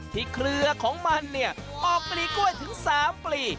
เครือของมันเนี่ยออกปลีกล้วยถึง๓ปลี